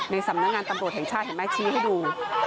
สำนักงานตำรวจแห่งชาติเห็นไหมชี้ให้ดู